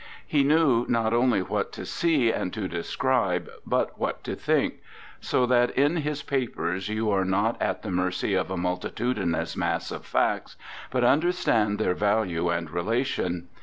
He knew not only what to see and to describe, but what to think; so that in his papers you are not at the mercy of a multitudinous mass of facts, but understand their value and relation.